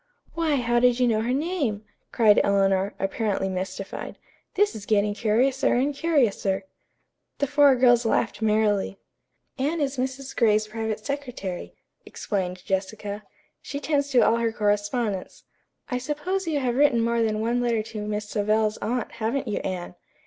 "Why, how did you know her name?" cried Eleanor, apparently mystified. "'This is getting curiouser and curiouser.'" The four girls laughed merrily. "Anne is Mrs. Gray's private secretary," explained Jessica. "She tends to all her correspondence. I suppose you have written more than one letter to Miss Savell's aunt, haven't you, Anne!"